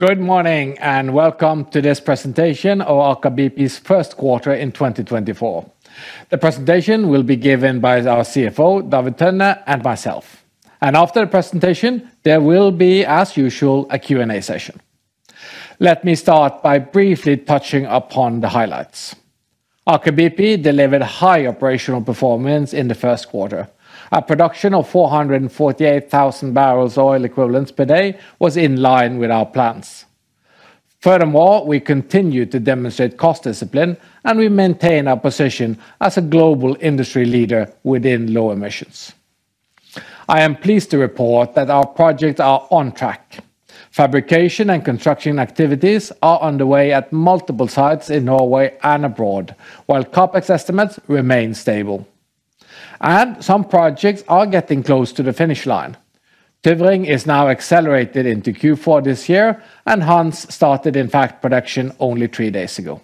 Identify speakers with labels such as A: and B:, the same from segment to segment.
A: Good morning and welcome to this presentation of Aker BP's first quarter in 2024. The presentation will be given by our CFO, David Tønne, and myself. After the presentation, there will be, as usual, a Q&A session. Let me start by briefly touching upon the highlights. Aker BP delivered high operational performance in the first quarter. A production of 448,000 barrels oil equivalents per day was in line with our plans. Furthermore, we continue to demonstrate cost discipline, and we maintain our position as a global industry leader within low emissions. I am pleased to report that our projects are on track. Fabrication and construction activities are underway at multiple sites in Norway and abroad, while CAPEX estimates remain stable. Some projects are getting close to the finish line. Tyrving is now accelerated into Q4 this year, and Hanz started, in fact, production only three days ago.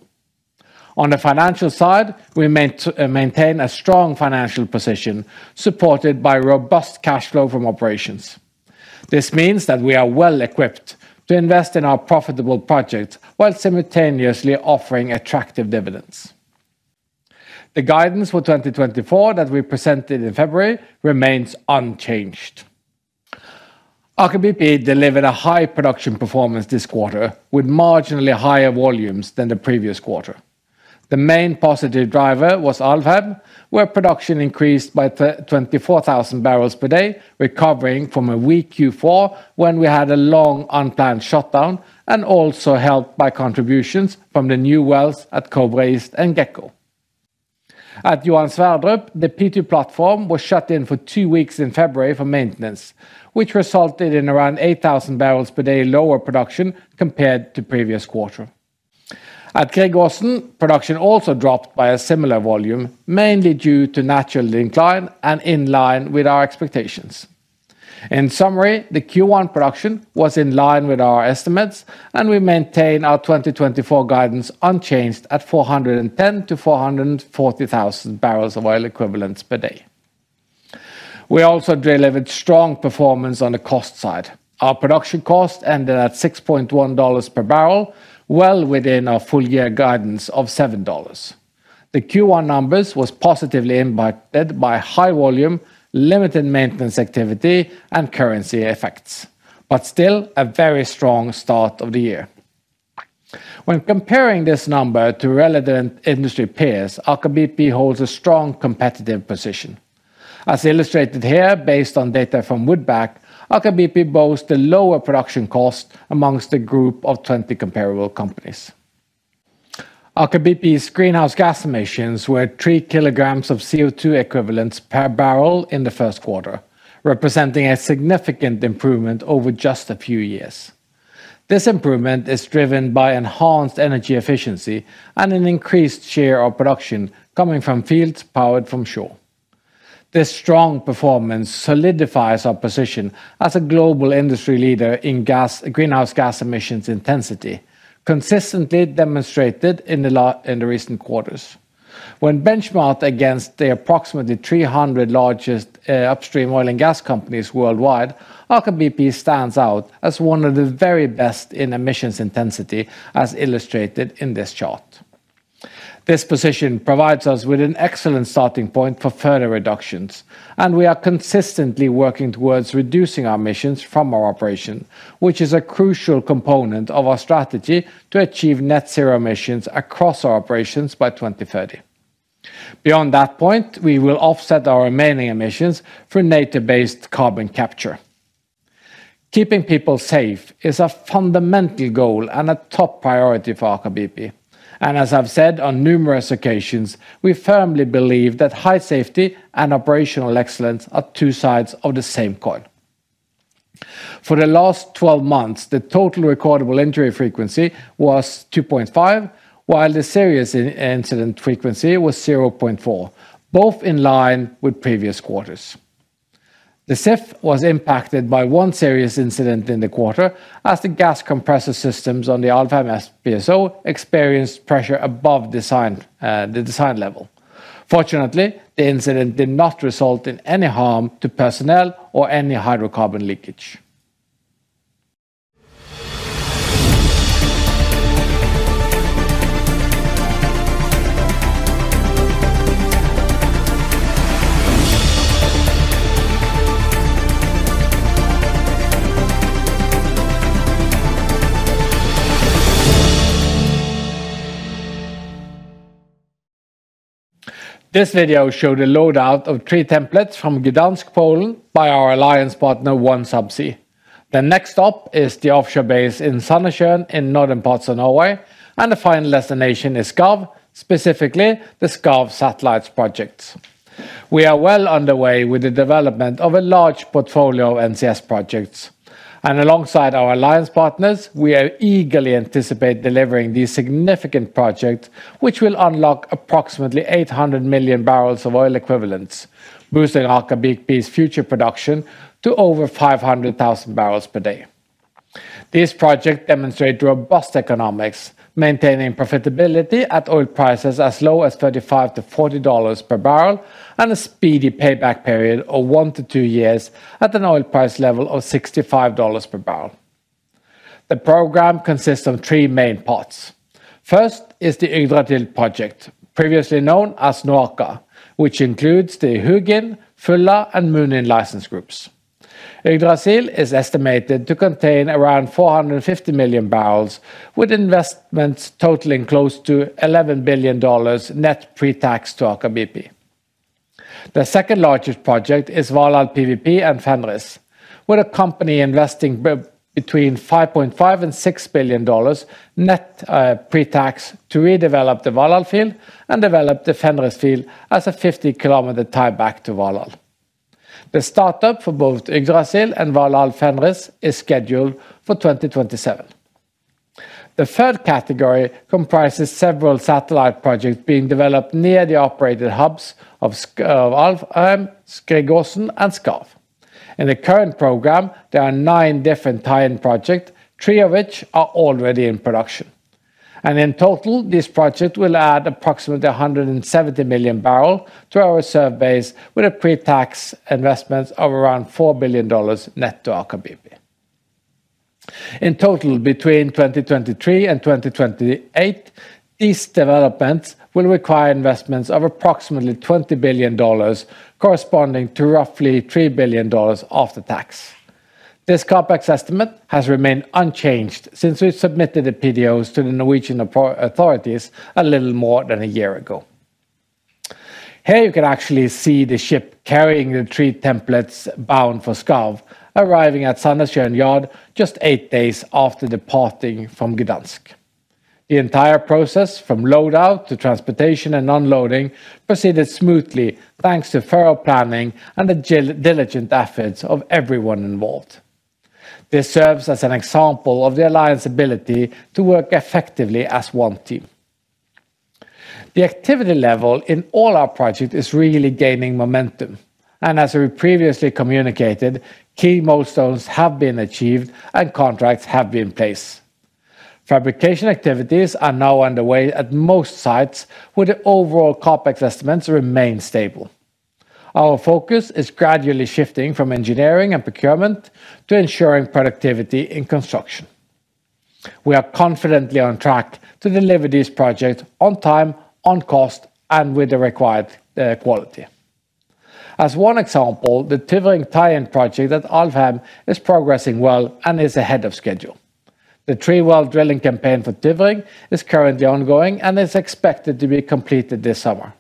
A: On the financial side, we maintain a strong financial position supported by robust cash flow from operations. This means that we are well-equipped to invest in our profitable projects while simultaneously offering attractive dividends. The guidance for 2024 that we presented in February remains unchanged. Aker BP delivered a high production performance this quarter, with marginally higher volumes than the previous quarter. The main positive driver was Alvheim, where production increased by 24,000 barrels per day, recovering from a weak Q4 when we had a long unplanned shutdown, and also helped by contributions from the new wells at Kobra and Gekko. At Johan Sverdrup, the P2 platform was shut in for 2 weeks in February for maintenance, which resulted in around 8,000 barrels per day lower production compared to previous quarter. At Greig Aasen, production also dropped by a similar volume, mainly due to natural decline and in line with our expectations. In summary, the Q1 production was in line with our estimates, and we maintain our 2024 guidance unchanged at 410,000-440,000 barrels of oil equivalents per day. We also delivered strong performance on the cost side. Our production cost ended at $6.1 per barrel, well within our full-year guidance of $7. The Q1 numbers were positively impacted by high volume, limited maintenance activity, and currency effects, but still a very strong start of the year. When comparing this number to relevant industry peers, Aker BP holds a strong competitive position. As illustrated here, based on data from Wood Mackenzie, Aker BP boasts the lower production cost among a group of 20 comparable companies. Aker BP's greenhouse gas emissions were three kilograms of CO2 equivalents per barrel in the first quarter, representing a significant improvement over just a few years. This improvement is driven by enhanced energy efficiency and an increased share of production coming from fields powered from shore. This strong performance solidifies our position as a global industry leader in greenhouse gas emissions intensity, consistently demonstrated in the recent quarters. When benchmarked against the approximately 300 largest upstream oil and gas companies worldwide, Aker BP stands out as one of the very best in emissions intensity, as illustrated in this chart. This position provides us with an excellent starting point for further reductions, and we are consistently working towards reducing our emissions from our operation, which is a crucial component of our strategy to achieve net zero emissions across our operations by 2030. Beyond that point, we will offset our remaining emissions through nature-based carbon capture. Keeping people safe is a fundamental goal and a top priority for Aker BP. And as I've said on numerous occasions, we firmly believe that high safety and operational excellence are two sides of the same coin. For the last 12 months, the total recordable injury frequency was 2.5, while the serious incident frequency was 0.4, both in line with previous quarters. The CIF was impacted by 1 serious incident in the quarter, as the gas compressor systems on the Alvheim FPSO experienced pressure above the design level. Fortunately, the incident did not result in any harm to personnel or any hydrocarbon leakage. This video showed the loadout of 3 templates from Gdańsk, Poland, by our alliance partner OneSubsea. The next stop is the offshore base in Sandnessjøen in northern parts of Norway, and the final destination is Skarv, specifically the Skarv Satellites project. We are well underway with the development of a large portfolio of NCS projects. Alongside our alliance partners, we eagerly anticipate delivering these significant projects, which will unlock approximately 800 million barrels of oil equivalents, boosting Aker BP's future production to over 500,000 barrels per day. These projects demonstrate robust economics, maintaining profitability at oil prices as low as $35-40 per barrel and a speedy payback period of 1-2 years at an oil price level of $65 per barrel. The program consists of three main parts. First is the Yggdrasil project, previously known as NOAKA, which includes the Hugin, Fulla, and Munin license groups. Yggdrasil is estimated to contain around 450 million barrels, with investments totaling close to $11 billion net pre-tax to Aker BP. The second largest project is Valhall PWP and Fenris, with a company investing between $5.5-$6 billion net pre-tax to redevelop the Valhall field and develop the Fenris field as a 50-kilometer tie-back to Valhall. The startup for both Yggdrasil and Valhall Fenris is scheduled for 2027. The third category comprises several satellite projects being developed near the operated hubs of Alfheim, Ivar Aasen, and Skarv. In the current program, there are nine different tie-in projects, three of which are already in production. In total, this project will add approximately 170 million barrels to our reserve base with a pre-tax investment of around $4 billion net to Aker BP. In total, between 2023 and 2028, these developments will require investments of approximately $20 billion, corresponding to roughly $3 billion after tax. This CAPEX estimate has remained unchanged since we submitted the PDOs to the Norwegian authorities a little more than a year ago. Here, you can actually see the ship carrying the three templates bound for Skarv arriving at Sandnessjøen yard just eight days after departing from Gdańsk. The entire process, from loadout to transportation and unloading, proceeded smoothly thanks to thorough planning and the diligent efforts of everyone involved. This serves as an example of the alliance's ability to work effectively as one team. The activity level in all our projects is really gaining momentum. As we previously communicated, key milestones have been achieved, and contracts have been placed. Fabrication activities are now underway at most sites, where the overall CAPEX estimates remain stable. Our focus is gradually shifting from engineering and procurement to ensuring productivity in construction. We are confidently on track to deliver these projects on time, on cost, and with the required quality. As one example, the Tyrving tie-in project at Alvheim is progressing well and is ahead of schedule. The three-well drilling campaign for Tyrving is currently ongoing and is expected to be completed this summer.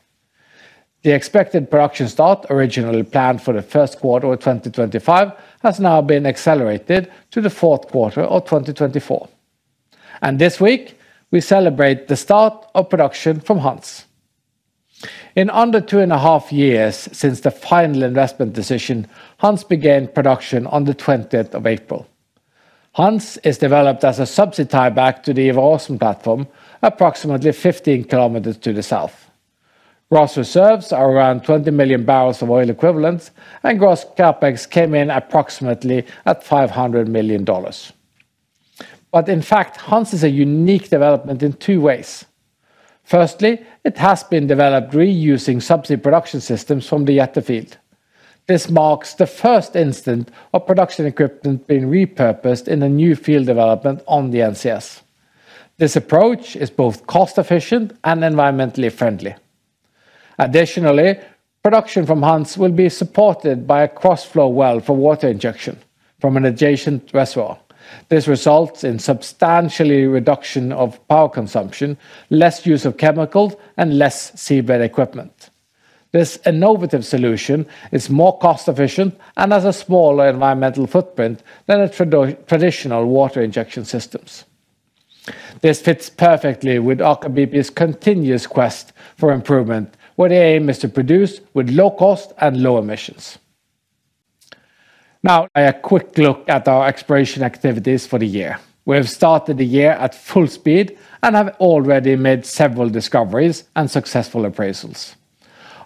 A: The expected production start, originally planned for the first quarter of 2025, has now been accelerated to the fourth quarter of 2024. This week, we celebrate the start of production from Hanz. In under 2.5 years since the final investment decision, Hanz began production on the 20th of April. Hanz is developed as a subsea tie-back to the Ivar Aasen platform, approximately 15 km to the south. Gross reserves are around 20 million barrels of oil equivalents, and gross CAPEX came in approximately at $500 million. But in fact, Hanz is a unique development in two ways. Firstly, it has been developed reusing subsea production systems from the Jette field. This marks the first instance of production equipment being repurposed in a new field development on the NCS. This approach is both cost-efficient and environmentally friendly. Additionally, production from Hanz will be supported by a cross-flow well for water injection from an adjacent reservoir. This results in a substantial reduction of power consumption, less use of chemicals, and less seabed equipment. This innovative solution is more cost-efficient and has a smaller environmental footprint than traditional water injection systems. This fits perfectly with Aker BP's continuous quest for improvement, where the aim is to produce with low cost and low emissions. Now, a quick look at our exploration activities for the year. We have started the year at full speed and have already made several discoveries and successful appraisals.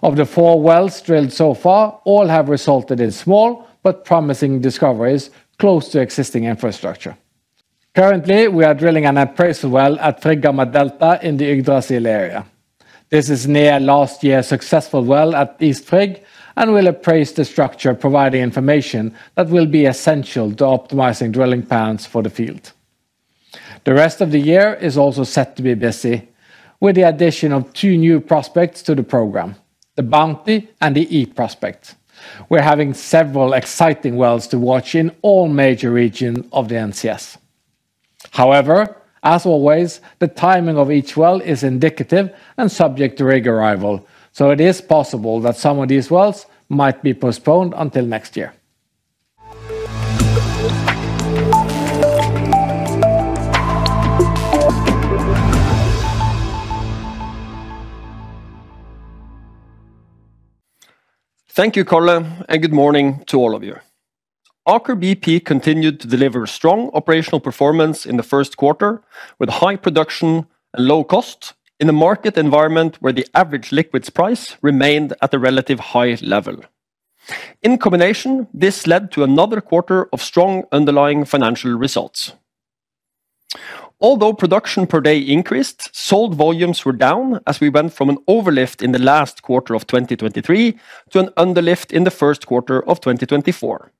A: Of the four wells drilled so far, all have resulted in small but promising discoveries close to existing infrastructure. Currently, we are drilling an appraisal well at Frigg Gamma Delta in the Yggdrasil area. This is near last year's successful well at East Frigg and will appraise the structure, providing information that will be essential to optimizing drilling plans for the field. The rest of the year is also set to be busy, with the addition of two new prospects to the program, the Bounty and the Eve prospect. We're having several exciting wells to watch in all major regions of the NCS. However, as always, the timing of each well is indicative and subject to rig arrival, so it is possible that some of these wells might be postponed until next year.
B: Thank you, Karl, and good morning to all of you. Aker BP continued to deliver strong operational performance in the first quarter, with high production and low cost in a market environment where the average liquids price remained at a relatively high level. In combination, this led to another quarter of strong underlying financial results. Although production per day increased, sold volumes were down as we went from an overlift in the last quarter of 2023 to an underlift in the first quarter of 2024.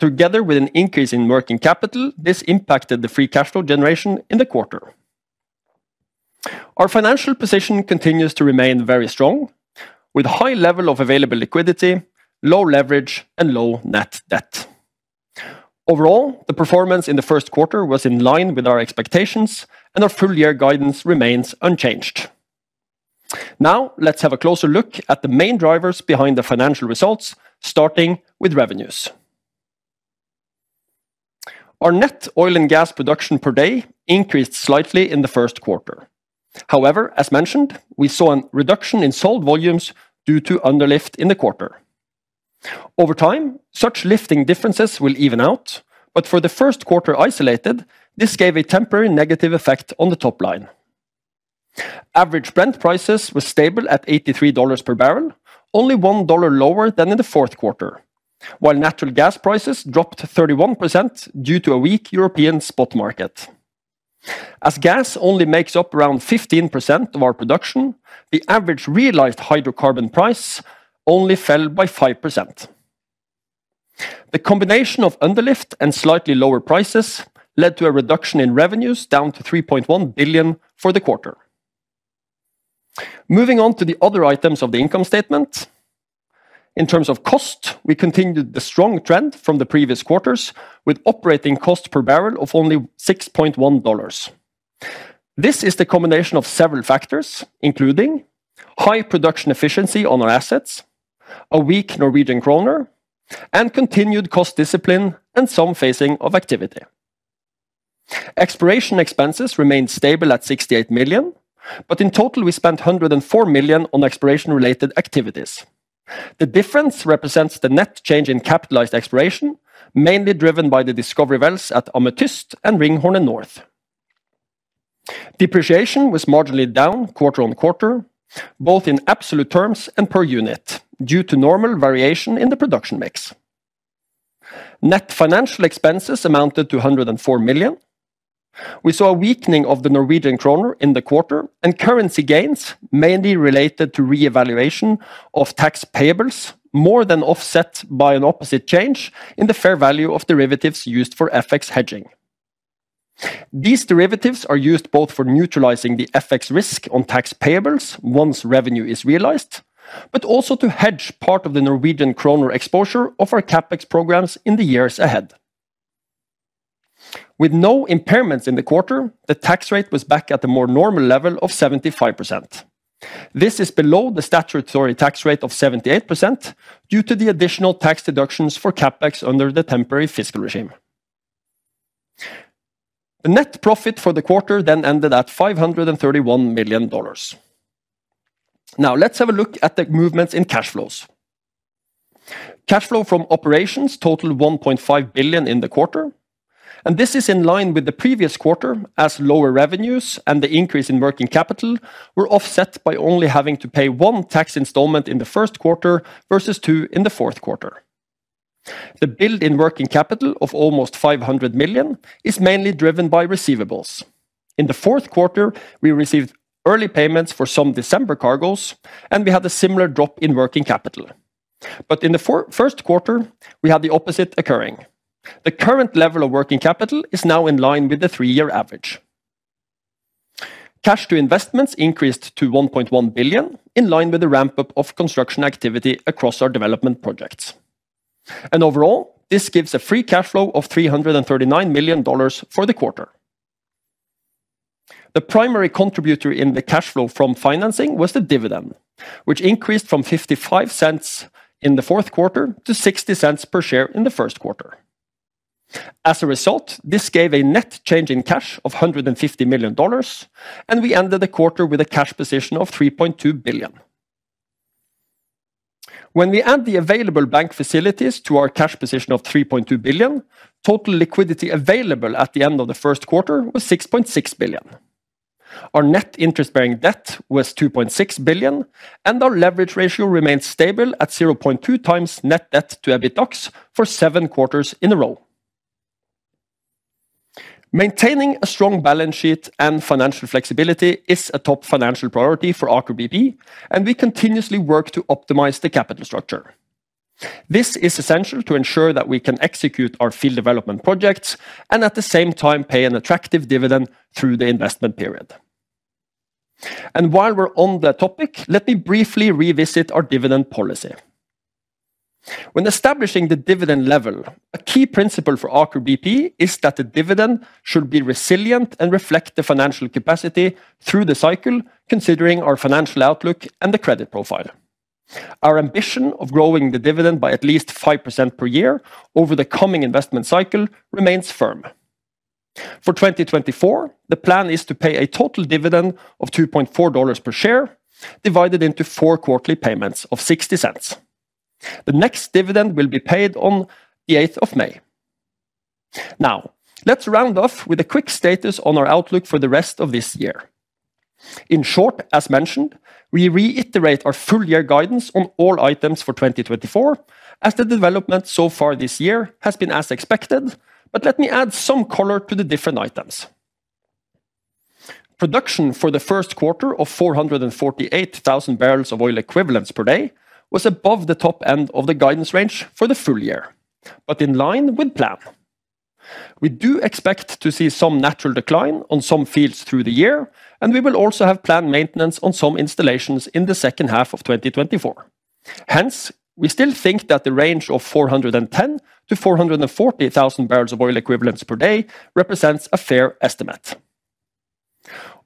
B: Together with an increase in working capital, this impacted the free cash flow generation in the quarter. Our financial position continues to remain very strong, with a high level of available liquidity, low leverage, and low net debt. Overall, the performance in the first quarter was in line with our expectations, and our full-year guidance remains unchanged. Now, let's have a closer look at the main drivers behind the financial results, starting with revenues. Our net oil and gas production per day increased slightly in the first quarter. However, as mentioned, we saw a reduction in sold volumes due to underlift in the quarter. Over time, such lifting differences will even out, but for the first quarter isolated, this gave a temporary negative effect on the top line. Average Brent prices were stable at $83 per barrel, only $1 lower than in the fourth quarter, while natural gas prices dropped 31% due to a weak European spot market. As gas only makes up around 15% of our production, the average realized hydrocarbon price only fell by 5%. The combination of underlift and slightly lower prices led to a reduction in revenues down to $3.1 billion for the quarter. Moving on to the other items of the income statement. In terms of cost, we continued the strong trend from the previous quarters, with operating cost per barrel of only $6.1. This is the combination of several factors, including high production efficiency on our assets, a weak Norwegian kroner, and continued cost discipline and some phasing of activity. Exploration expenses remained stable at $68 million, but in total, we spent $104 million on exploration-related activities. The difference represents the net change in capitalized exploration, mainly driven by the discovery wells at Ametyst and Ringhorne North. Depreciation was marginally down quarter-on-quarter, both in absolute terms and per unit, due to normal variation in the production mix. Net financial expenses amounted to $104 million. We saw a weakening of the Norwegian kroner in the quarter and currency gains, mainly related to reevaluation of tax payables, more than offset by an opposite change in the fair value of derivatives used for FX hedging. These derivatives are used both for neutralizing the FX risk on tax payables once revenue is realized, but also to hedge part of the Norwegian kroner exposure of our CAPEX programs in the years ahead. With no impairments in the quarter, the tax rate was back at a more normal level of 75%. This is below the statutory tax rate of 78% due to the additional tax deductions for CAPEX under the temporary fiscal regime. The net profit for the quarter then ended at $531 million. Now, let's have a look at the movements in cash flows. Cash flow from operations totaled $1.5 billion in the quarter. This is in line with the previous quarter, as lower revenues and the increase in working capital were offset by only having to pay one tax installment in the first quarter versus two in the fourth quarter. The build in working capital of almost $500 million is mainly driven by receivables. In the fourth quarter, we received early payments for some December cargoes, and we had a similar drop in working capital. In the first quarter, we had the opposite occurring. The current level of working capital is now in line with the three-year average. Cash to investments increased to $1.1 billion, in line with the ramp-up of construction activity across our development projects. Overall, this gives a free cash flow of $339 million for the quarter. The primary contributor in the cash flow from financing was the dividend, which increased from $0.55 in the fourth quarter to $0.60 per share in the first quarter. As a result, this gave a net change in cash of $150 million, and we ended the quarter with a cash position of $3.2 billion. When we add the available bank facilities to our cash position of $3.2 billion, total liquidity available at the end of the first quarter was $6.6 billion. Our net interest-bearing debt was $2.6 billion, and our leverage ratio remained stable at 0.2x net debt to EBITDA for seven quarters in a row. Maintaining a strong balance sheet and financial flexibility is a top financial priority for Aker BP, and we continuously work to optimize the capital structure. This is essential to ensure that we can execute our field development projects and at the same time pay an attractive dividend through the investment period. While we're on the topic, let me briefly revisit our dividend policy. When establishing the dividend level, a key principle for Aker BP is that the dividend should be resilient and reflect the financial capacity through the cycle, considering our financial outlook and the credit profile. Our ambition of growing the dividend by at least 5% per year over the coming investment cycle remains firm. For 2024, the plan is to pay a total dividend of $2.4 per share, divided into four quarterly payments of $0.60. The next dividend will be paid on the 8th of May. Now, let's round off with a quick status on our outlook for the rest of this year. In short, as mentioned, we reiterate our full-year guidance on all items for 2024, as the development so far this year has been as expected, but let me add some color to the different items. Production for the first quarter of 448,000 barrels of oil equivalents per day was above the top end of the guidance range for the full year, but in line with plan. We do expect to see some natural decline on some fields through the year, and we will also have planned maintenance on some installations in the second half of 2024. Hence, we still think that the range of 410,000-440,000 barrels of oil equivalents per day represents a fair estimate.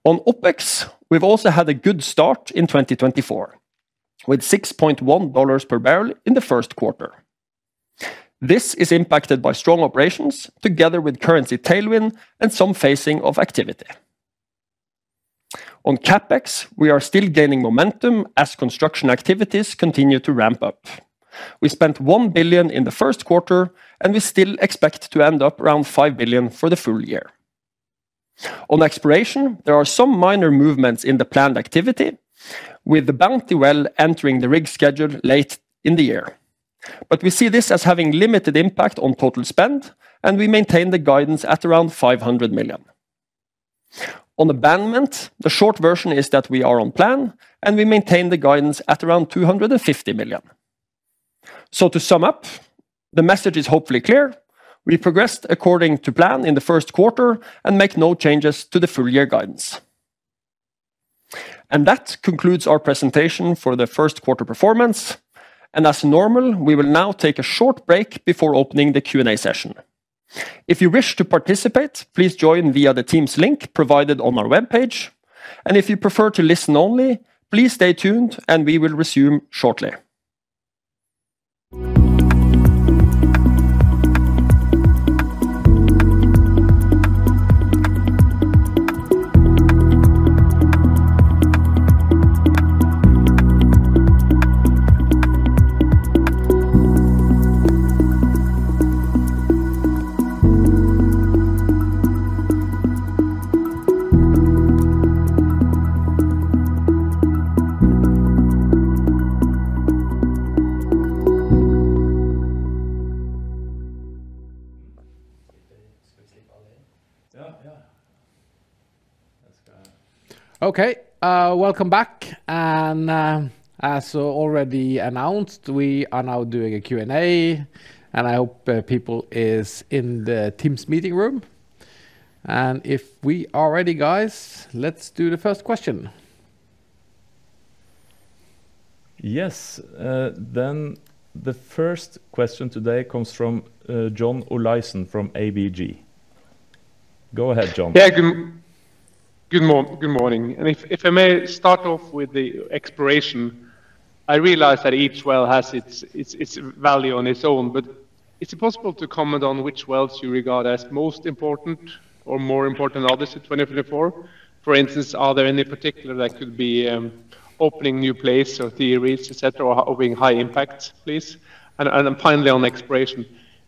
B: On OPEX, we've also had a good start in 2024, with $6.1 per barrel in the first quarter. This is impacted by strong operations, together with currency tailwind and some phasing of activity. On CAPEX, we are still gaining momentum as construction activities continue to ramp up. We spent $1 billion in the first quarter, and we still expect to end up around $5 billion for the full year. On exploration, there are some minor movements in the planned activity, with the Bounty well entering the rig schedule late in the year. But we see this as having limited impact on total spend, and we maintain the guidance at around $500 million. On abandonment, the short version is that we are on plan, and we maintain the guidance at around $250 million. So to sum up, the message is hopefully clear. We progressed according to plan in the first quarter and make no changes to the full-year guidance. And that concludes our presentation for the first quarter performance. And as normal, we will now take a short break before opening the Q&A session. If you wish to participate, please join via the Teams link provided on our webpage. If you prefer to listen only, please stay tuned, and we will resume shortly. Okay. Welcome back. As already announced, we are now doing a Q&A, and I hope people are in the Teams meeting room. If we are ready, guys, let's do the first question.
C: Yes. The first question today comes from John Olaisen from ABG. Go ahead, John.
D: Yeah. Good morning. If I may start off with the exploration, I realize that each well has its value on its own. But is it possible to comment on which wells you regard as most important or more important than others in 2024? For instance, are there any particular that could be opening new places or theories, etc., or having high impact, please? Finally, on exploration,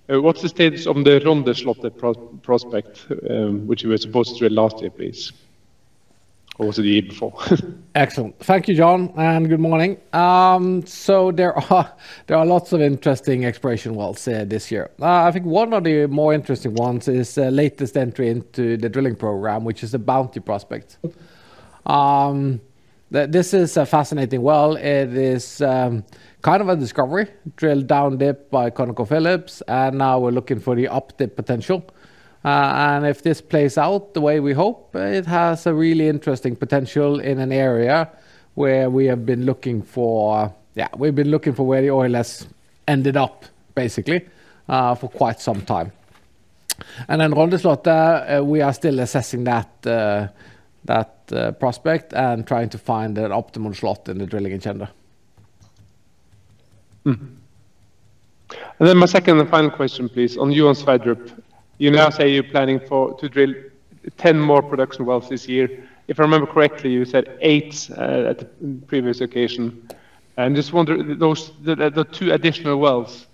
D: what's the status on the Rondeslottet prospect, which you were supposed to do last year, please? Or was it the year before?
A: Excellent. Thank you, John, and good morning. There are lots of interesting exploration wells this year. I think one of the more interesting ones is the latest entry into the drilling program, which is the Bounty prospect. This is a fascinating well. It is kind of a discovery, drilled down deep by ConocoPhillips. And now we're looking for the update potential. And if this plays out the way we hope, it has a really interesting potential in an area where we have been looking for yeah, we've been looking for where the oil has ended up, basically, for quite some time. And then Rondeslottet, we are still assessing that prospect and trying to find the optimal slot in the drilling agenda.
D: And then my second and final question, please, on Johan Sverdrup. You now say you're planning to drill 10 more production wells this year. If I remember correctly, you said 8 at the previous occasion. And I just wonder, those two additional wells,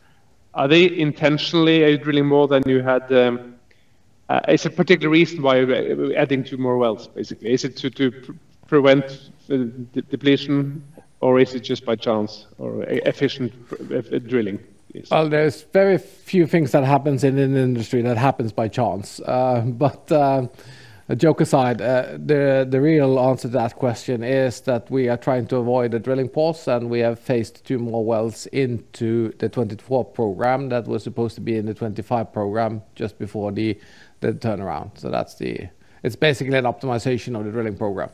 D: are they intentionally drilling more than you had? Is there a particular reason why you're adding two more wells, basically? Is it to prevent depletion, or is it just by chance or efficient drilling?
A: Well, there's very few things that happen in an industry that happens by chance. But joke aside, the real answer to that question is that we are trying to avoid a drilling pause, and we have phased two more wells into the 2024 program that was supposed to be in the 2025 program just before the turnaround. So it's basically an optimization of the drilling program.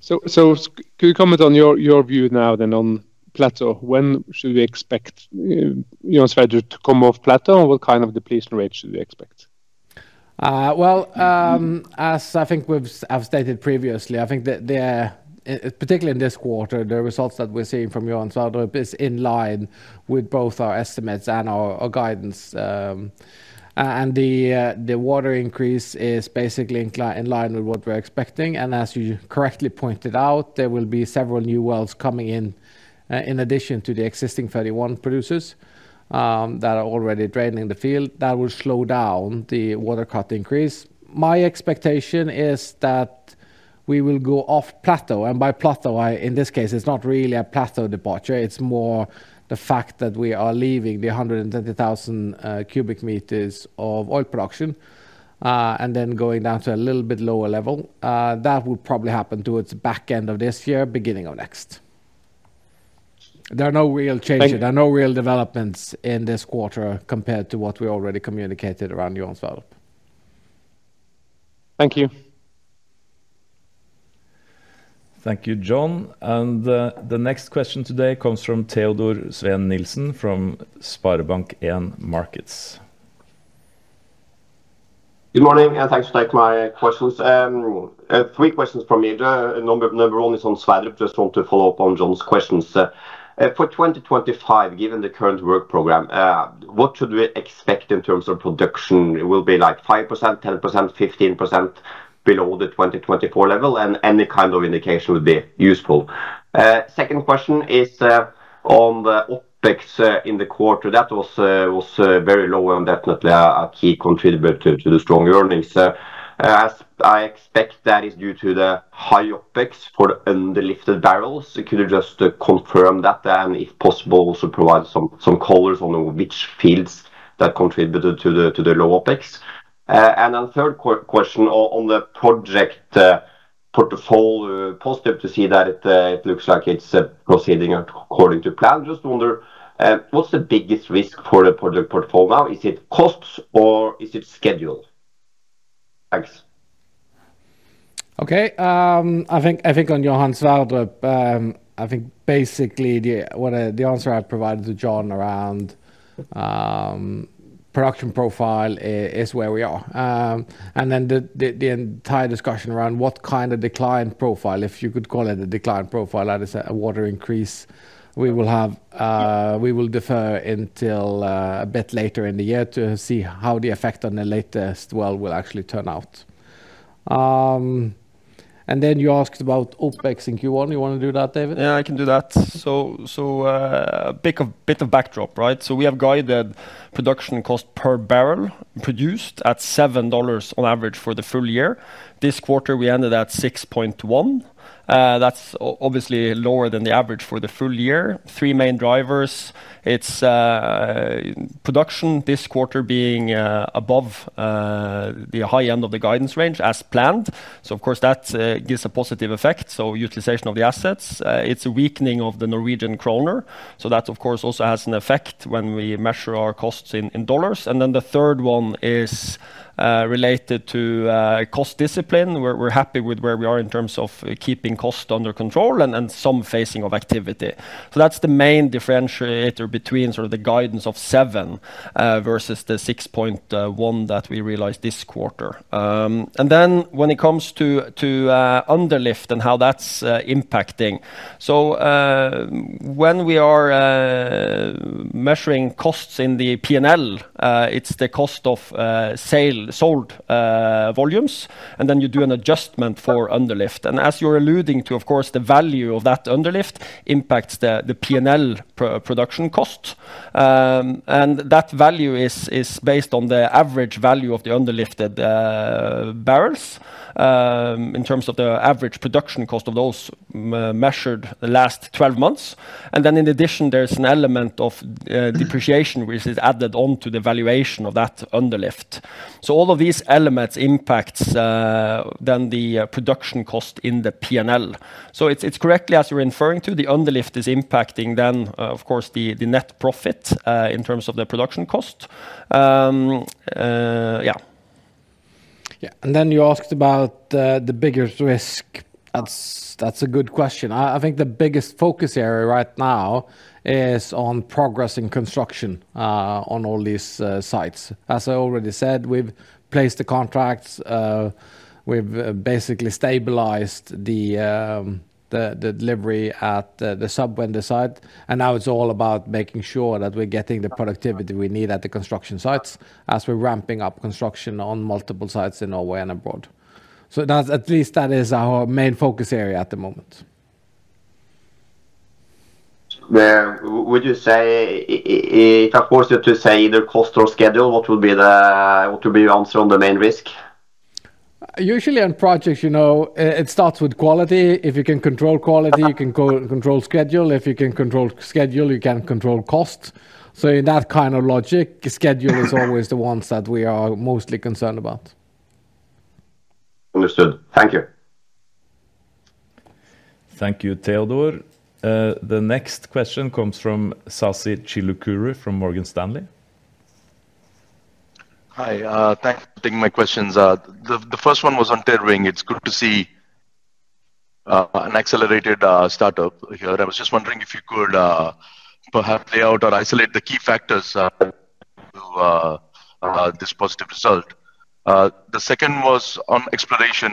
D: So could you comment on your view now then on plateau? When should we expect Johan Sverdrup to come off plateau, and what kind of depletion rate should we expect?
A: Well, as I think we have stated previously, I think particularly in this quarter, the results that we're seeing from Johan Sverdrup are in line with both our estimates and our guidance. And the water increase is basically in line with what we're expecting. And as you correctly pointed out, there will be several new wells coming in in addition to the existing 31 producers that are already draining the field. That will slow down the water cut increase. My expectation is that we will go off plateau. And by plateau, in this case, it's not really a plateau departure. It's more the fact that we are leaving the 120,000 cubic meters of oil production and then going down to a little bit lower level. That will probably happen towards the back end of this year, beginning of next. There are no real changes. There are no real developments in this quarter compared to what we already communicated around Johan Sverdrup.
D: Thank you.
C: Thank you, John. And the next question today comes from Theodor Sveen Nielsen from Sparebank 1 Markets.
E: Good morning and thanks for taking my questions. Three questions from me. The number one is on Sverdrup. Just want to follow up on John's questions. For 2025, given the current work program, what should we expect in terms of production? It will be like 5%, 10%, 15% below the 2024 level, and any kind of indication would be useful. Second question is on the OPEX in the quarter. That was very low and definitely a key contributor to the strong earnings. As I expect, that is due to the high OPEX for the underlifted barrels. Could you just confirm that and, if possible, also provide some color on which fields that contributed to the low OPEX? Then third question on the project portfolio. Positive to see that it looks like it's proceeding according to plan. Just wonder, what's the biggest risk for the project portfolio now? Is it costs or is it schedule? Thanks.
A: Okay. I think on Johan Sverdrup, I think basically the answer I provided to John around production profile is where we are. And then the entire discussion around what kind of decline profile, if you could call it a decline profile, that is a water increase we will defer until a bit later in the year to see how the effect on the latest well will actually turn out. And then you asked about OPEX in Q1. You want to do that, David?
B: Yeah, I can do that. So a bit of backdrop, right? So we have guided production cost per barrel produced at $7 on average for the full year. This quarter, we ended at 6.1. That's obviously lower than the average for the full year. Three main drivers. It's production this quarter being above the high end of the guidance range as planned. So, of course, that gives a positive effect. So utilization of the assets. It's a weakening of the Norwegian kroner. So that, of course, also has an effect when we measure our costs in dollars. And then the third one is related to cost discipline. We're happy with where we are in terms of keeping cost under control and some phasing of activity. So that's the main differentiator between sort of the guidance of $7 versus the $6.1 that we realized this quarter. And then when it comes to underlift and how that's impacting. So when we are measuring costs in the P&L, it's the cost of sold volumes. And then you do an adjustment for underlift. And as you're alluding to, of course, the value of that underlift impacts the P&L production cost. And that value is based on the average value of the underlifted barrels in terms of the average production cost of those measured the last 12 months. And then in addition, there's an element of depreciation which is added onto the valuation of that underlift. So all of these elements impact then the production cost in the P&L. So it's correctly, as you're referring to, the underlift is impacting then, of course, the net profit in terms of the production cost. Yeah. Yeah. And then you asked about the biggest risk. That's a good question. I think the biggest focus area right now is on progress in construction on all these sites. As I already said, we've placed the contracts. We've basically stabilized the delivery at the sub-vendor site. And now it's all about making sure that we're getting the productivity we need at the construction sites as we're ramping up construction on multiple sites in Norway and abroad. So at least that is our main focus area at the moment.
E: Would you say, if I force you to say either cost or schedule, what would be the answer on the main risk?
B: Usually on projects, it starts with quality. If you can control quality, you can control schedule. If you can control schedule, you can control cost. So in that kind of logic, schedule is always the ones that we are mostly concerned about.
E: Understood. Thank you.
B: Thank you, Theodor.
C: The next question comes from Sasi Chilukuru from Morgan Stanley.
F: Hi. Thanks for taking my questions. The first one was on tailwind. It's good to see an accelerated startup here. I was just wondering if you could perhaps lay out or isolate the key factors to this positive result. The second was on exploration.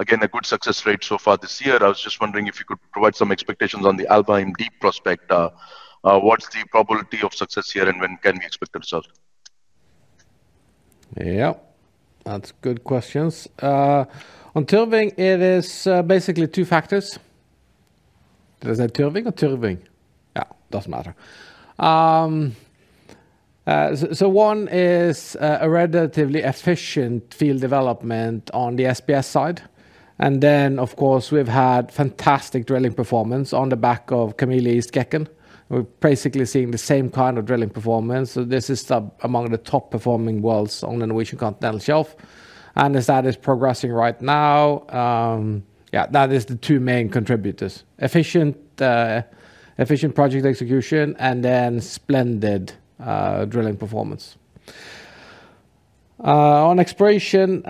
F: Again, a good success rate so far this year. I was just wondering if you could provide some expectations on the Alvheim Deep prospect. What's the probability of success here, and when can we expect the result?
A: Yeah. That's good questions. On tailwind, it is basically two factors. Did I say tailwind or tailwind? Yeah, it doesn't matter. So one is a relatively efficient field development on the SPS side. And then, of course, we've had fantastic drilling performance on the back of Kameleon East Gecko. We're basically seeing the same kind of drilling performance. So this is among the top performing wells on the Norwegian Continental Shelf. And as that is progressing right now, yeah, that is the two main contributors: efficient project execution and then splendid drilling performance. On exploration,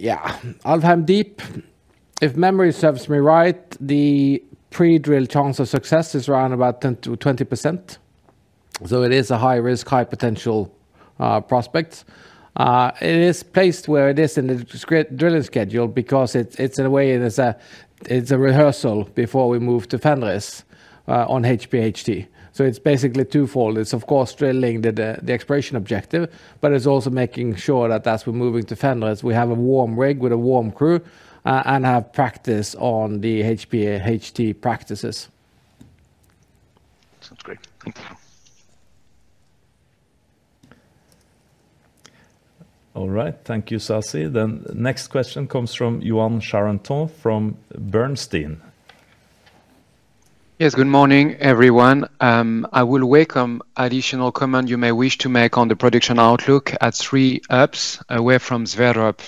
A: yeah, Alvheim Deep, if memory serves me right, the pre-drill chance of success is around about 10%-20%. So it is a high risk, high potential prospect. It is placed where it is in the drilling schedule because it's, in a way, it's a rehearsal before we move to Fenris on HPHT. So it's basically twofold. It's, of course, drilling the exploration objective, but it's also making sure that as we're moving to Fenris, we have a warm rig with a warm crew and have practice on the HPHT practices.
F: Sounds great. Thank you.
C: All right. Thank you, Sasi. Then next question comes from Yoann Charenton from Bernstein.
G: Yes. Good morning, everyone. I will welcome additional comments you may wish to make on the production outlook at three hubs. We're from Sverdrup.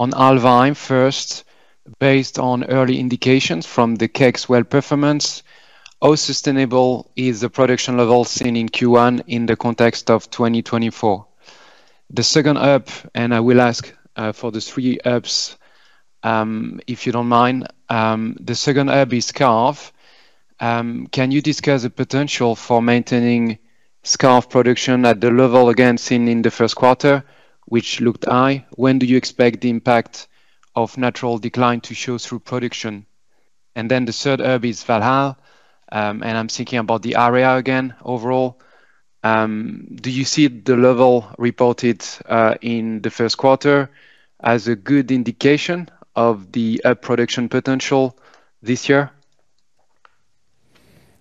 G: On Alpha M first, based on early indications from the KEX well performance, how sustainable is the production level seen in Q1 in the context of 2024? The second hub, and I will ask for the three ups if you don't mind, the second hub is Skarv. Can you discuss the potential for maintaining Skarv production at the level again seen in the first quarter, which looked high? When do you expect the impact of natural decline to show through production? And then the third up is Valhall. And I'm thinking about the area again overall. Do you see the level reported in the first quarter as a good indication of the up production potential this year?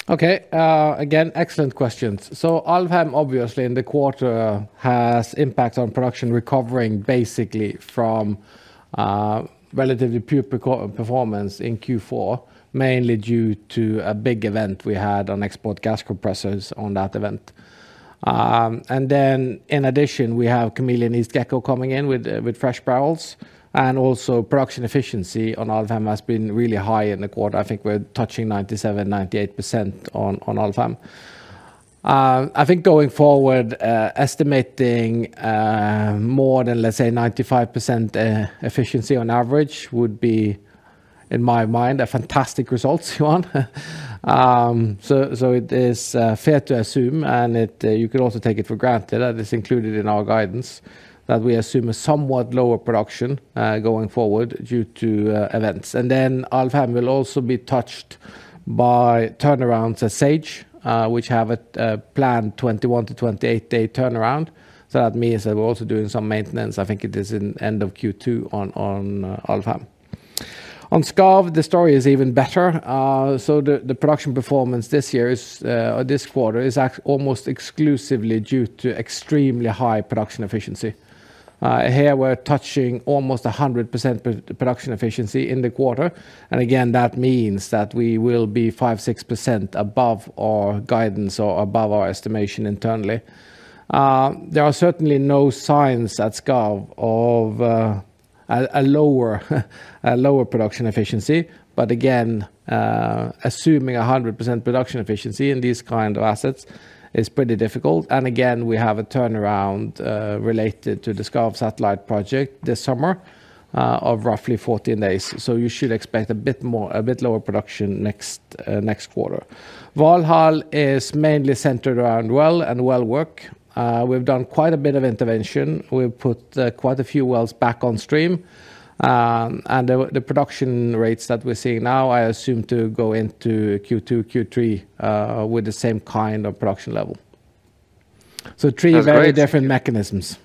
A: Okay. Again, excellent questions. So Alvheim, obviously, in the quarter has impact on production recovering basically from relatively poor performance in Q4, mainly due to a big event we had on export gas compressors on that event. And then in addition, we have Kameleon East Gecko coming in with fresh barrels. Also production efficiency on Alvheim has been really high in the quarter. I think we're touching 97%-98% on Alvheim. I think going forward, estimating more than, let's say, 95% efficiency on average would be, in my mind, a fantastic result, Johan. So it is fair to assume, and you could also take it for granted that it's included in our guidance that we assume a somewhat lower production going forward due to events. And then Alvheim will also be touched by turnarounds at sea, which have a planned 21-28-day turnaround. So that means that we're also doing some maintenance. I think it is in the end of Q2 on Alvheim. On Skarv, the story is even better. So the production performance this year or this quarter is almost exclusively due to extremely high production efficiency. Here we're touching almost 100% production efficiency in the quarter. And again, that means that we will be 5%-6% above our guidance or above our estimation internally. There are certainly no signs at Skarv of a lower production efficiency. But again, assuming 100% production efficiency in these kind of assets is pretty difficult. And again, we have a turnaround related to the Skarv Satellites project this summer of roughly 14 days. So you should expect a bit lower production next quarter. Valhall is mainly centered around well and well work. We've done quite a bit of intervention. We've put quite a few wells back on stream. And the production rates that we're seeing now, I assume, to go into Q2, Q3 with the same kind of production level. So three very different mechanisms.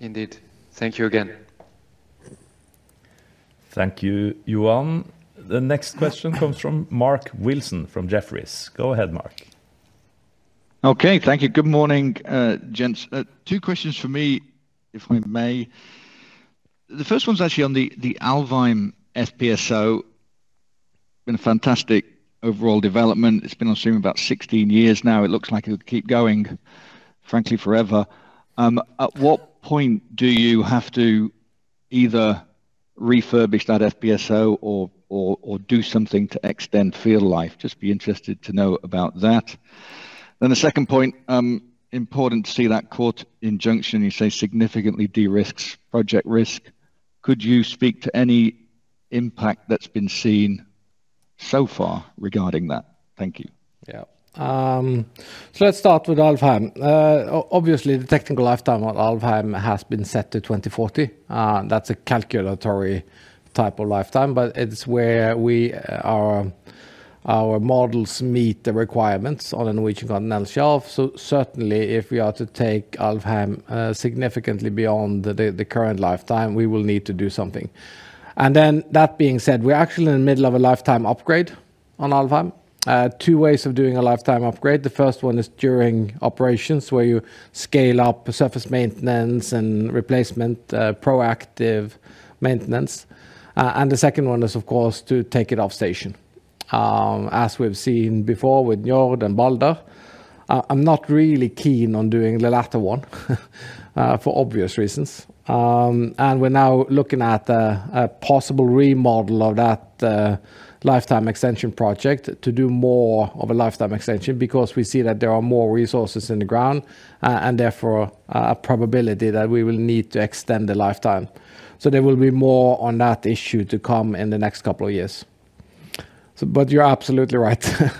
G: Indeed. Thank you again.
C: Thank you, Johan. The next question comes from Mark Wilson from Jefferies. Go ahead, Mark. Okay. Thank you. Good morning, gents. Two questions for me, if I may. The first one's actually on the Alvheim FPSO. It's been a fantastic overall development. It's been on stream about 16 years now. It looks like it would keep going, frankly, forever. At what point do you have to either refurbish that FPSO or do something to extend field life? Just be interested to know about that. Then the second point, important to see that court injunction, you say significantly de-risks project risk. Could you speak to any impact that's been seen so far regarding that? Thank you. Yeah.
A: So let's start with Alvheim. Obviously, the technical lifetime on Alvheim has been set to 2040. That's a calculatory type of lifetime, but it's where our models meet the requirements on the Norwegian Continental Shelf. So certainly, if we are to take Alvheim significantly beyond the current lifetime, we will need to do something. And then that being said, we're actually in the middle of a lifetime upgrade on Alvheim. Two ways of doing a lifetime upgrade. The first one is during operations where you scale up surface maintenance and replacement, proactive maintenance. And the second one is, of course, to take it off station. As we've seen before with Njord and Balder, I'm not really keen on doing the latter one for obvious reasons. And we're now looking at a possible remodel of that lifetime extension project to do more of a lifetime extension because we see that there are more resources in the ground and therefore a probability that we will need to extend the lifetime. So there will be more on that issue to come in the next couple of years. But you're absolutely right.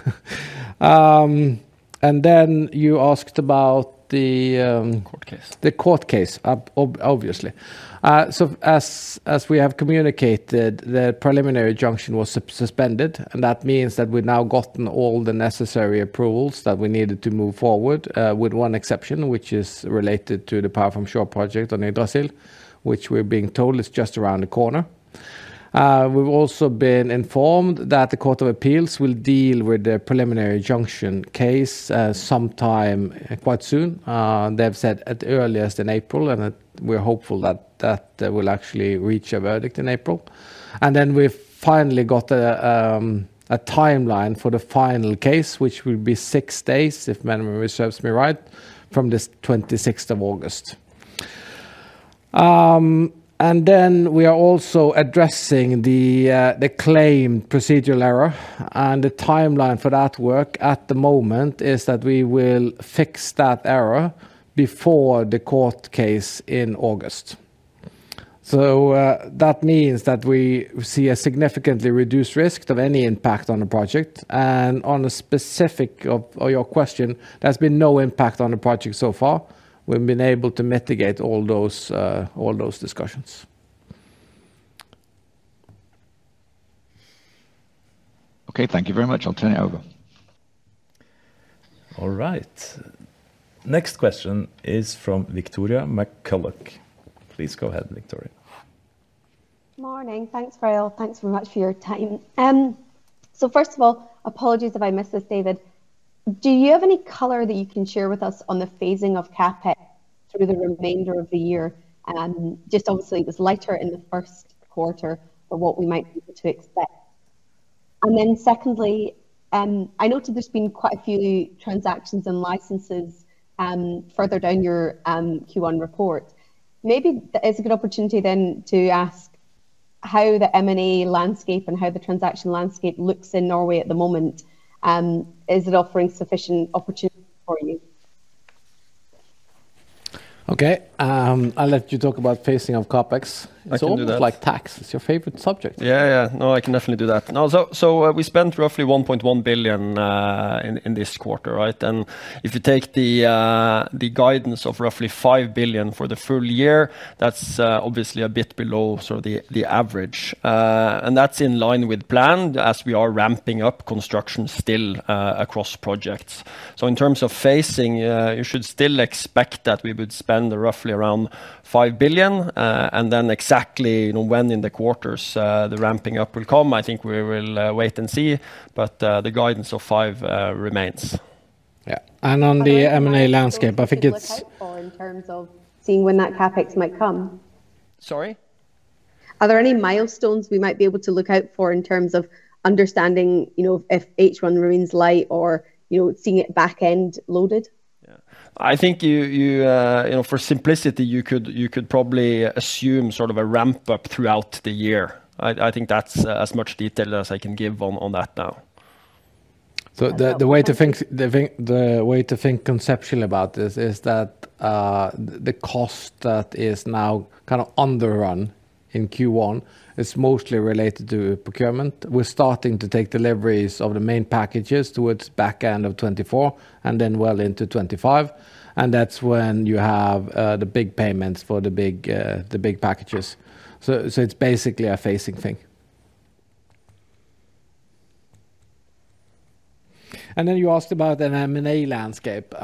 A: And then you asked about the court case. The court case, obviously. So as we have communicated, the preliminary injunction was suspended. And that means that we've now gotten all the necessary approvals that we needed to move forward with one exception, which is related to the Power From Shore project on Yggdrasil, which we're being told is just around the corner. We've also been informed that the Court of Appeals will deal with the preliminary injunction case sometime quite soon. They've said at earliest in April, and we're hopeful that that will actually reach a verdict in April. And then we've finally got a timeline for the final case, which will be six days, if memory serves me right, from the 26th of August. Then we are also addressing the claimed procedural error. The timeline for that work at the moment is that we will fix that error before the court case in August. So that means that we see a significantly reduced risk of any impact on the project. On a specific of your question, there's been no impact on the project so far. We've been able to mitigate all those discussions.
H: Okay. Thank you very much. I'll turn it over.
C: All right. Next question is from Victoria McCulloch. Please go ahead, Victoria.
I: Morning. Thanks, Raël. Thanks very much for your time. First of all, apologies if I missed this, David. Do you have any color that you can share with us on the phasing of CAPEX through the remainder of the year? Just obviously, it was lighter in the first quarter for what we might be able to expect. And then secondly, I noted there's been quite a few transactions and licenses further down your Q1 report. Maybe it's a good opportunity then to ask how the M&A landscape and how the transaction landscape looks in Norway at the moment. Is it offering sufficient opportunity for you?
A: Okay. I'll let you talk about phasing of CAPEX. I can do that. So flag tax. It's your favorite subject.
B: Yeah, yeah. No, I can definitely do that. No, so we spent roughly $1.1 billion in this quarter, right? And if you take the guidance of roughly $5 billion for the full year, that's obviously a bit below sort of the average. And that's in line with plan as we are ramping up construction still across projects. So in terms of phasing, you should still expect that we would spend roughly around $5 billion. And then exactly when in the quarters the ramping up will come, I think we will wait and see. But the guidance of $5 billion remains. Yeah. And on the M&A landscape, I think it's.
I: Or in terms of seeing when that CAPEX might come?
B: Sorry?
I: Are there any milestones we might be able to look out for in terms of understanding if H1 remains light or seeing it back end loaded?
B: Yeah. I think for simplicity, you could probably assume sort of a ramp up throughout the year. I think that's as much detail as I can give on that now. So the way to think conceptually about this is that the cost that is now kind of underrun in Q1 is mostly related to procurement. We're starting to take deliveries of the main packages towards back end of 2024 and then well into 2025. That's when you have the big payments for the big packages. It's basically a phasing thing. Then you asked about an M&A landscape.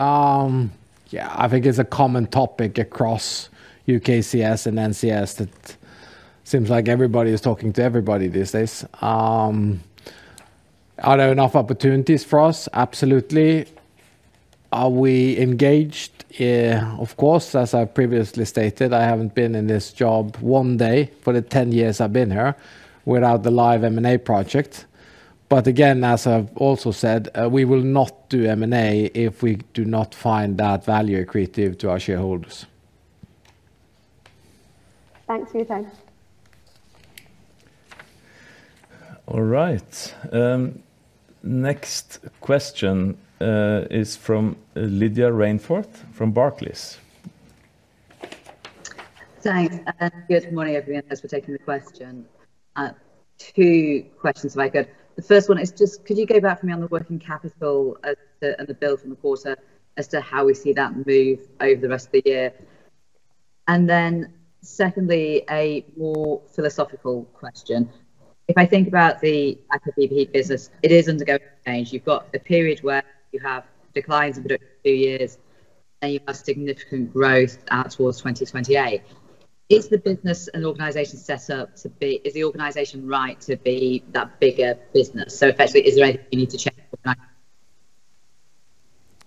B: Yeah, I think it's a common topic across UKCS and NCS that seems like everybody is talking to everybody these days. Are there enough opportunities for us? Absolutely. Are we engaged? Of course, as I previously stated, I haven't been in this job one day for the 10 years I've been here without the live M&A project. But again, as I've also said, we will not do M&A if we do not find that value accretive to our shareholders.
I: Thanks for your time.
C: All right. Next question is from Lydia Rainforth from Barclays.
J: Thanks. Good morning, everyone. Thanks for taking the question. Two questions if I could. The first one is just, could you go back for me on the working capital and the bill from the quarter as to how we see that move over the rest of the year? And then secondly, a more philosophical question. If I think about the Aker BP business, it is undergoing change. You've got a period where you have declines in production for two years, and you have significant growth out towards 2028. Is the business and organization set up to be is the organization right to be that bigger business? So effectively, is there anything we need to check?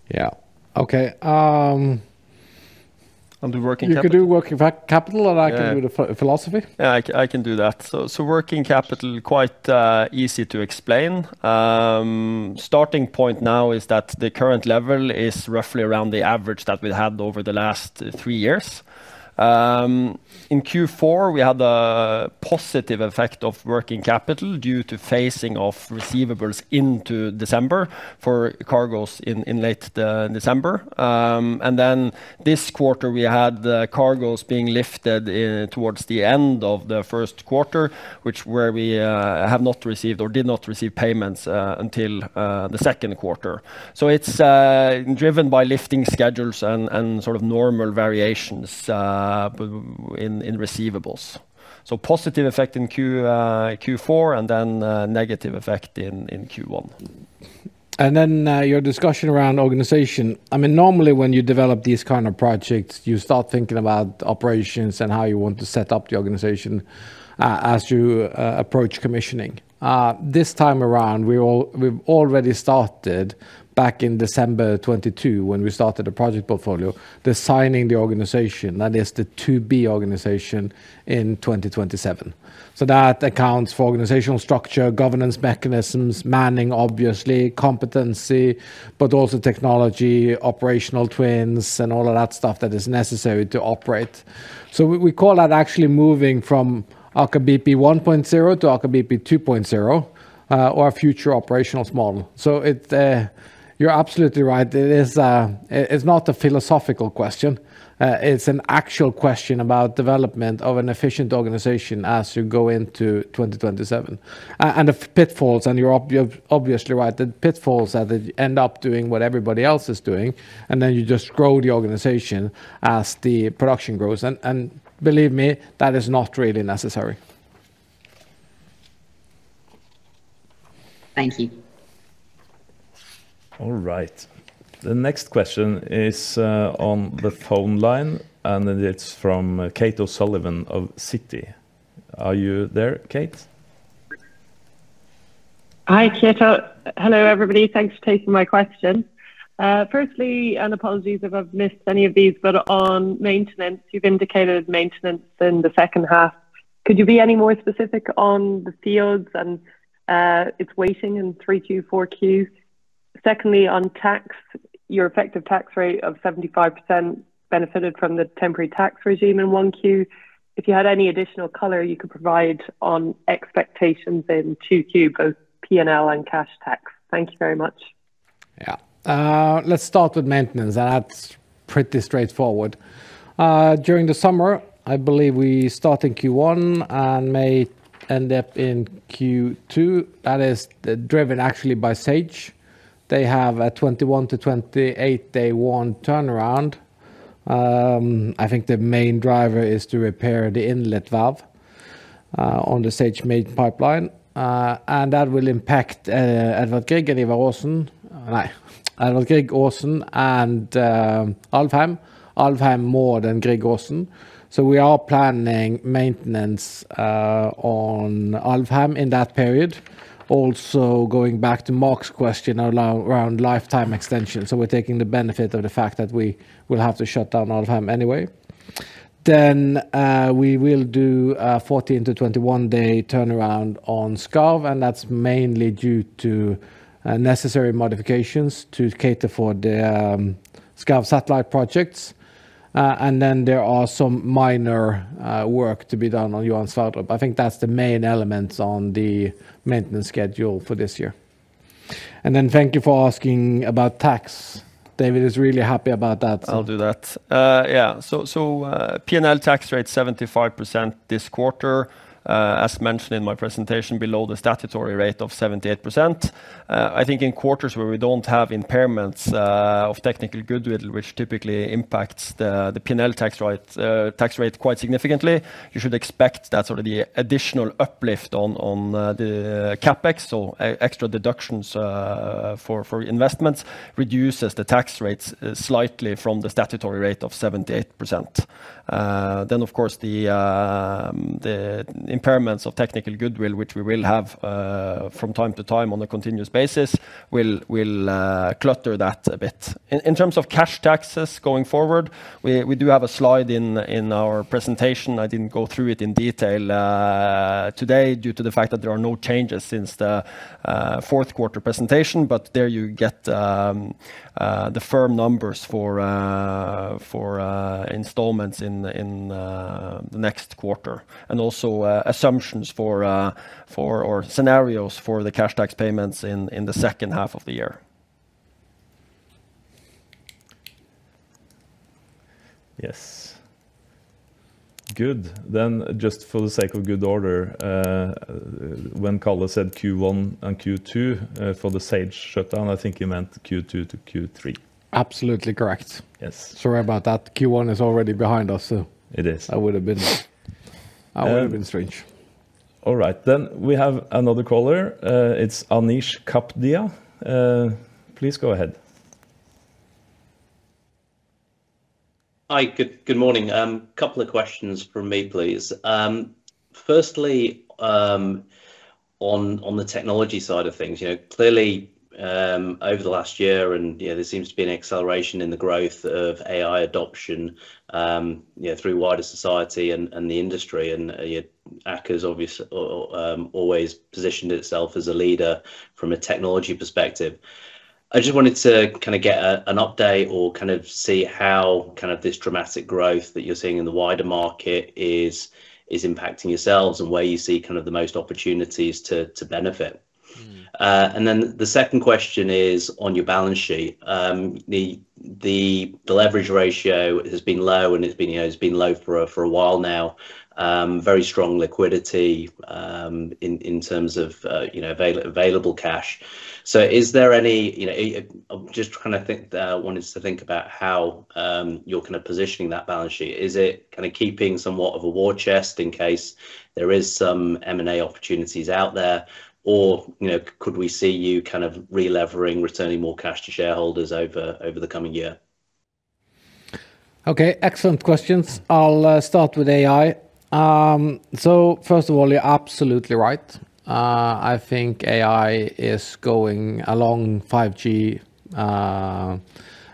B: Yeah. Okay. On the working capital. You could do working capital, and I can do the philosophy. Yeah, I can do that. So working capital, quite easy to explain. Starting point now is that the current level is roughly around the average that we've had over the last three years. In Q4, we had a positive effect of working capital due to phasing of receivables into December for cargoes in late December. And then this quarter, we had cargoes being lifted towards the end of the first quarter, where we have not received or did not receive payments until the second quarter. So it's driven by lifting schedules and sort of normal variations in receivables. So positive effect in Q4 and then negative effect in Q1.
A: And then your discussion around organization. I mean, normally when you develop these kind of projects, you start thinking about operations and how you want to set up the organization as you approach commissioning. This time around, we've already started back in December 2022 when we started the project portfolio designing the organization, that is, the to-be organization in 2027. So that accounts for organizational structure, governance mechanisms, manning, obviously, competency, but also technology, operational twins, and all of that stuff that is necessary to operate. So we call that actually moving from Aker BP 1.0 to Aker BP 2.0 or a future operations model. So you're absolutely right. It's not a philosophical question. It's an actual question about development of an efficient organization as you go into 2027 and the pitfalls. And you're obviously right. The pitfalls are that you end up doing what everybody else is doing, and then you just grow the organization as the production grows. And believe me, that is not really necessary.
J: Thank you.
C: All right. The next question is on the phone line, and it's from Kate O'Sullivan of Citi. Are you there, Kate?
K: Hi, Kate. Hello, everybody. Thanks for taking my question. Firstly, and apologies if I've missed any of these, but on maintenance, you've indicated maintenance in the second half. Could you be any more specific on the fields and its weighting in 3Q, 4Q? Secondly, on tax, your effective tax rate of 75% benefited from the temporary tax regime in 1Q. If you had any additional color, you could provide on expectations in 2Q, both P&L and cash tax. Thank you very much.
A: Yeah. Let's start with maintenance, and that's pretty straightforward. During the summer, I believe we start in Q1 and may end up in Q2. That is driven actually by SAGE. They have a 21-28-day warm turnaround. I think the main driver is to repair the inlet valve on the SAGE main pipeline. And that will impact Edvard Grieg and Ivar Aasen. No, Edvard Grieg, Aasen, and Alfheim. Alfheim more than Grieg, Aasen. So we are planning maintenance on Alfheim in that period. Also going back to Mark's question around lifetime extension. So we're taking the benefit of the fact that we will have to shut down Alfheim anyway. Then we will do a 14- to 21-day turnaround on Skarv, and that's mainly due to necessary modifications to cater for the Skarv satellite projects. And then there are some minor work to be done on Johan Sverdrup. I think that's the main elements on the maintenance schedule for this year. And then thank you for asking about tax. David is really happy about that. I'll do that.
B: Yeah. So P&L tax rate 75% this quarter, as mentioned in my presentation, below the statutory rate of 78%. I think in quarters where we don't have impairments of technical goodwill, which typically impacts the P&L tax rate quite significantly, you should expect that sort of the additional uplift on the CAPEX, so extra deductions for investments, reduces the tax rates slightly from the statutory rate of 78%. Then, of course, the impairments of technical goodwill, which we will have from time to time on a continuous basis, will clutter that a bit. In terms of cash taxes going forward, we do have a slide in our presentation. I didn't go through it in detail today due to the fact that there are no changes since the fourth quarter presentation. But there you get the firm numbers for installments in the next quarter and also assumptions or scenarios for the cash tax payments in the second half of the year.
C: Yes. Good. Then just for the sake of good order, when Carla said Q1 and Q2 for the Sage shutdown, I think you meant Q2 to Q3.
B: Absolutely correct. Sorry about that. Q1 is already behind us, so. It is.
C: That would have been strange. All right. Then we have another caller. It's Anish Kapadia. Please go ahead.
I: Hi. Good morning. Couple of questions from me, please. Firstly, on the technology side of things, clearly over the last year, and there seems to be an acceleration in the growth of AI adoption through wider society and the industry. And Aker's obviously always positioned itself as a leader from a technology perspective. I just wanted to kind of get an update or kind of see how kind of this dramatic growth that you're seeing in the wider market is impacting yourselves and where you see kind of the most opportunities to benefit. And then the second question is on your balance sheet. The leverage ratio has been low, and it's been low for a while now. Very strong liquidity in terms of available cash. So is there any? I'm just kind of wanted to think about how you're kind of positioning that balance sheet. Is it kind of keeping somewhat of a war chest in case there is some M&A opportunities out there, or could we see you kind of re-levering, returning more cash to shareholders over the coming year?
A: Okay. Excellent questions. I'll start with AI. So first of all, you're absolutely right. I think AI is going along with 5G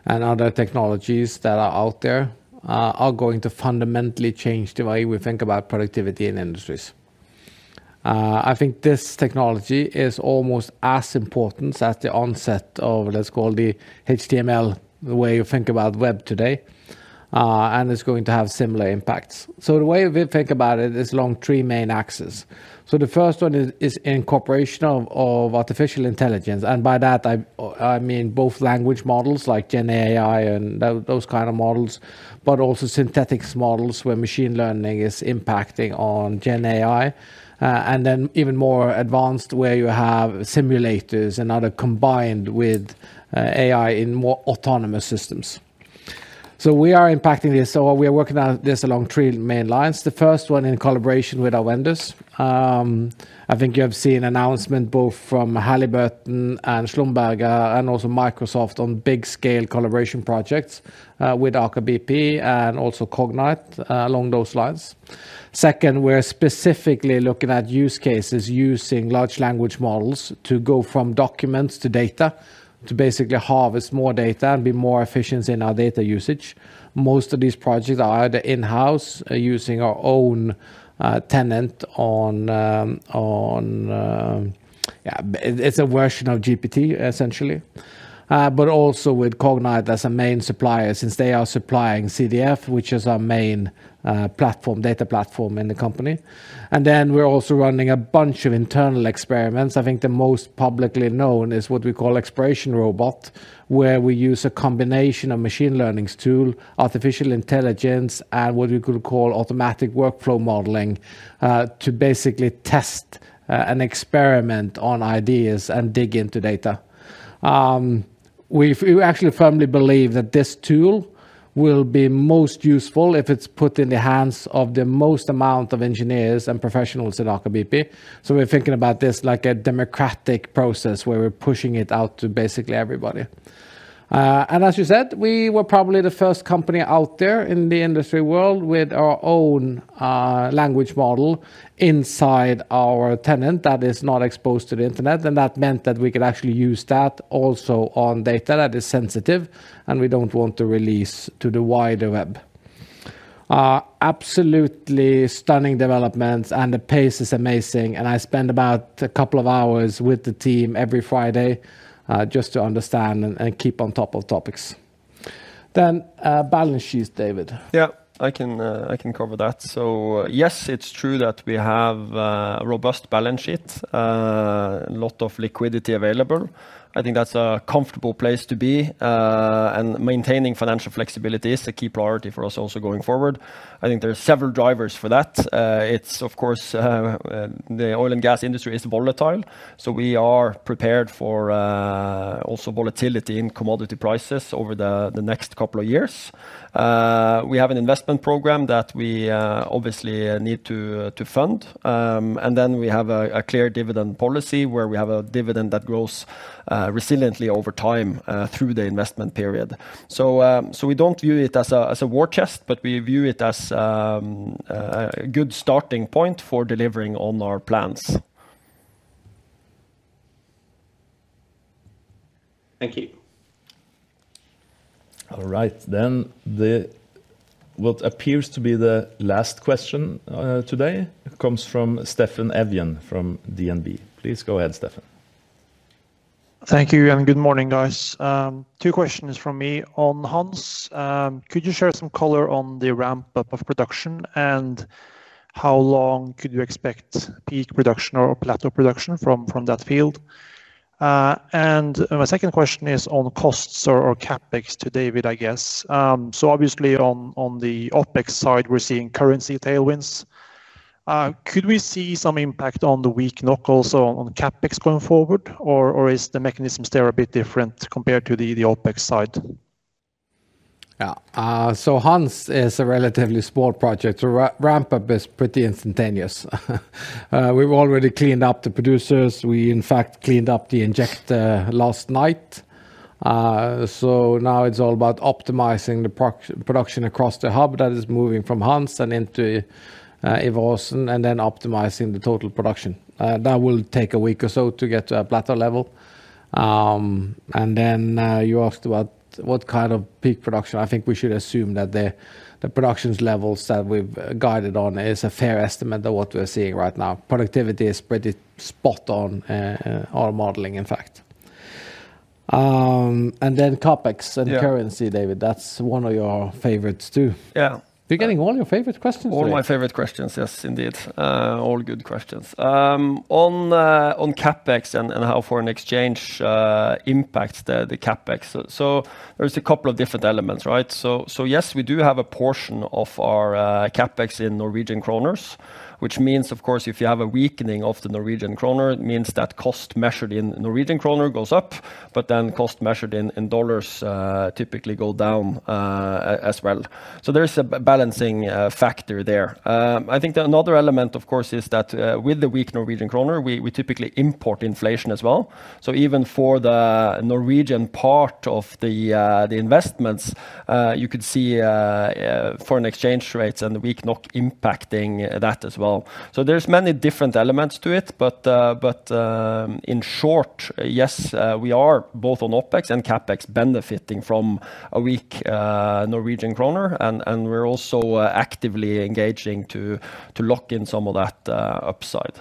A: and other technologies that are out there are going to fundamentally change the way we think about productivity in industries. I think this technology is almost as important as the onset of, let's call, the HTML, the way you think about web today, and it's going to have similar impacts. So the way we think about it is along three main axes. So the first one is incorporation of artificial intelligence. And by that, I mean both language models like GenAI and those kind of models, but also synthetic models where machine learning is impacting on GenAI, and then even more advanced where you have simulators and others combined with AI in more autonomous systems. So we are impacting this. So we are working on this along three main lines. The first one in collaboration with our vendors. I think you have seen announcements both from Halliburton and Schlumberger and also Microsoft on big-scale collaboration projects with Aker BP and also Cognite along those lines. Second, we're specifically looking at use cases using large language models to go from documents to data to basically harvest more data and be more efficient in our data usage. Most of these projects are either in-house using our own tenant on yeah, it's a version of GPT, essentially, but also with Cognite as a main supplier since they are supplying CDF, which is our main data platform in the company. And then we're also running a bunch of internal experiments. I think the most publicly known is what we call Exploration Robot, where we use a combination of machine learning's tool, artificial intelligence, and what we could call automatic workflow modeling to basically test an experiment on ideas and dig into data. We actually firmly believe that this tool will be most useful if it's put in the hands of the most amount of engineers and professionals at Aker BP. So we're thinking about this like a democratic process where we're pushing it out to basically everybody. And as you said, we were probably the first company out there in the industry world with our own language model inside our tenant that is not exposed to the internet. And that meant that we could actually use that also on data that is sensitive, and we don't want to release to the wider web. Absolutely stunning developments, and the pace is amazing. And I spend about a couple of hours with the team every Friday just to understand and keep on top of topics. Then balance sheets, David.
B: Yeah. I can cover that. So yes, it's true that we have a robust balance sheet, a lot of liquidity available. I think that's a comfortable place to be. And maintaining financial flexibility is a key priority for us also going forward. I think there are several drivers for that. It's, of course, the oil and gas industry is volatile. So we are prepared for also volatility in commodity prices over the next couple of years. We have an investment program that we obviously need to fund. And then we have a clear dividend policy where we have a dividend that grows resiliently over time through the investment period. So we don't view it as a war chest, but we view it as a good starting point for delivering on our plans. Thank you.
C: All right. Then what appears to be the last question today comes from Steffen Evjen from DNB. Please go ahead, Steffen.
L: Thank you. And good morning, guys. Two questions from me on Hanz. Could you share some color on the ramp-up of production, and how long could you expect peak production or plateau production from that field? And my second question is on costs or CAPEX to David, I guess. So obviously, on the OPEX side, we're seeing currency tailwinds. Could we see some impact on the weak NOK also on CAPEX going forward, or is the mechanisms there a bit different compared to the OPEX side?
A: Yeah. So Hanz is a relatively small project. The ramp-up is pretty instantaneous. We've already cleaned up the producers. We, in fact, cleaned up the injector last night. So now it's all about optimizing the production across the hub that is moving from Hanz and into Ivar Aasen and then optimizing the total production. That will take a week or so to get to a plateau level. And then you asked about what kind of peak production. I think we should assume that the production levels that we've guided on is a fair estimate of what we're seeing right now. Productivity is pretty spot on our modeling, in fact. And then CAPEX and currency, David, that's one of your favorites too. You're getting all your favorite questions today.
B: All my favorite questions. Yes, indeed. All good questions. On CAPEX and how foreign exchange impacts the CAPEX. So there's a couple of different elements, right? So yes, we do have a portion of our CAPEX in Norwegian kroner, which means, of course, if you have a weakening of the Norwegian kroner, it means that cost measured in Norwegian kroner goes up, but then cost measured in dollars typically go down as well. So there is a balancing factor there. I think another element, of course, is that with the weak Norwegian kroner, we typically import inflation as well. So even for the Norwegian part of the investments, you could see foreign exchange rates and the weak NOK impacting that as well. So there's many different elements to it. But in short, yes, we are both on OPEX and CAPEX benefiting from a weak Norwegian kroner. And we're also actively engaging to lock in some of that upside.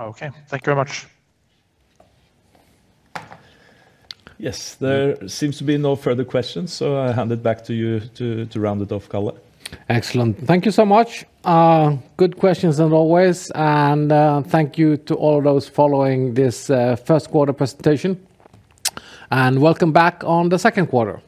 L: Okay. Thank you very much.
C: Yes. There seems to be no further questions, so I hand it back to you to round it off, Karl. Excellent. Thank you so much. Good questions as always. And thank you to all of those following this first quarter presentation. And welcome back on the second quarter.